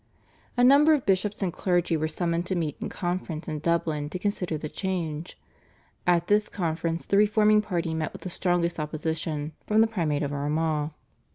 A number of bishops and clergy were summoned to meet in conference in Dublin to consider the change. At this conference the reforming party met with the strongest opposition from the Primate of Armagh.